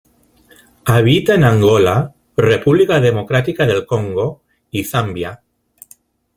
Habita en Angola, República Democrática del Congo y Zambia.